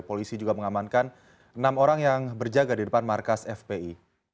polisi juga mengamankan enam orang yang berjaga di depan markas fpi